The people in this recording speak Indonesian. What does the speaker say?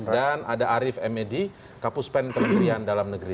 dan ada arief emedi kapuspen kementerian dalam negeri